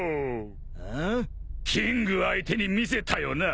キング相手に見せたよな？